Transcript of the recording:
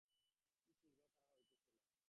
কিন্তু শীঘ্র তাহা হইতেছে না।